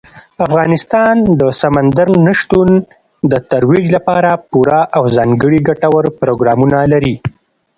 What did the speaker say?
افغانستان د سمندر نه شتون د ترویج لپاره پوره او ځانګړي ګټور پروګرامونه لري.